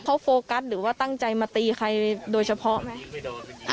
เขาโฟกัสหรือว่าตั้งใจมาตีใครโดยเฉพาะไหม